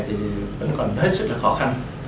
thì vẫn còn rất là khó khăn